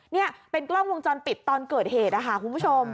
นี่เป็นกล้องวงจรปิดตอนเกิดเหตุนะคะคุณผู้ชม